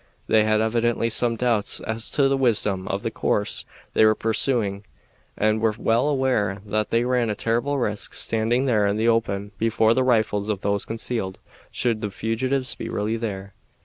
They had evidently some doubts as to the wisdom of the course they were pursuing, and were well aware that they ran a terrible risk standing there in the open before the rifles of those concealed, should the fugitives be really there.